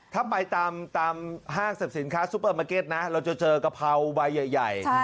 ถ้าไปตามห้างสรรพสินค้าซุปเปอร์มาร์เก็ตนะเราจะเจอกะเพราใบใหญ่